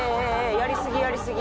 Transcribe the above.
やりすぎやりすぎ」